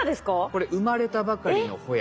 これ生まれたばかりのホヤ。